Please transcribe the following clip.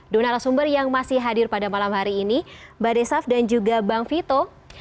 dua narasumber yang masih hadir pada malam hari ini mbak desaf dan juga bang vito